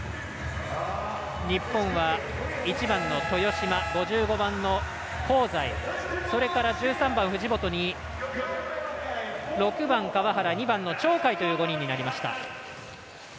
日本は１番の豊島５５番の香西それから１３番、藤本に６番、川原２番の鳥海という５人。